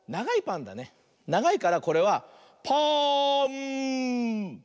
ながいからこれは「パーンー」。